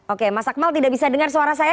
oke masakmal tidak bisa dengar suara saya